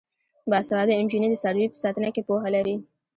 باسواده نجونې د څارویو په ساتنه کې پوهه لري.